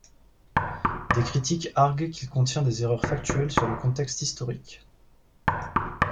Des critiques arguent qu'il contient des erreurs factuelles sur le contexte historique.